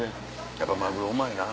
やっぱマグロうまいな。